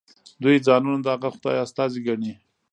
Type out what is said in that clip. دوی ځانونه د هغه خدای استازي ګڼي.